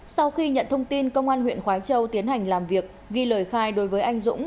sau khi nhận thông tin công an huyện khói châu tiến hành làm việc ghi lời khai đối với anh dũng